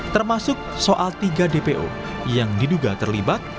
termasuk soal tiga dpo yang diduga terlibat